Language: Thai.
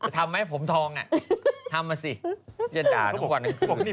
ทำไมผมทองอะทำมาสิ